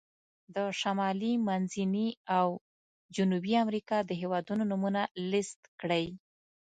د شمالي، منځني او جنوبي امریکا د هېوادونو نومونه لیست کړئ.